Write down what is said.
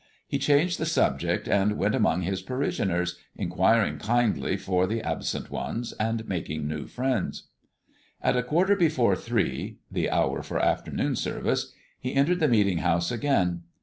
He changed the subject, and went among his parishioners, inquiring kindly for the absent ones, and making new friends. At a quarter before three (the hour for afternoon service) he entered the meeting house again.